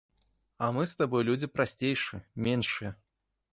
А мы з табой людзі прасцейшыя, меншыя.